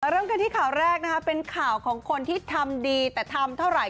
เริ่มกันที่ข่าวแรกนะคะเป็นข่าวของคนที่ทำดีแต่ทำเท่าไหร่